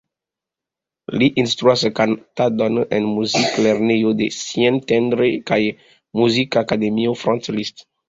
Ŝi instruas kantadon en muziklernejo de Szentendre kaj Muzikakademio Franz Liszt.